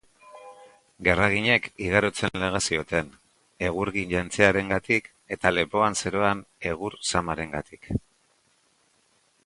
Gerraginek igarotzen laga zioten, egurgin jantziarengatik eta lepoan zeroan egur zamarengatik.